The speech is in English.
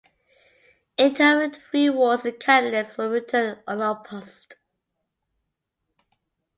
In two of the three wards candidates were returned unopposed.